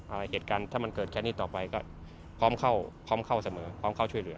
เหตุการณ์ถ้ามันเกิดแค่นี้ต่อไปก็พร้อมเข้าพร้อมเข้าเสมอพร้อมเข้าช่วยเหลือ